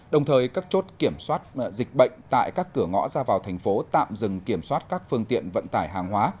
đồng thời các chốt kiểm soát dịch bệnh tại các cửa ngõ ra vào thành phố tạm dừng kiểm soát các phương tiện vận tải hàng hóa